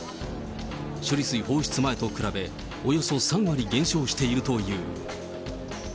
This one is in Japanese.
処理水放出前と比べ、およそ３割減少しているという。